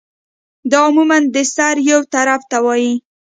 دا عموماً د سر يو طرف ته وی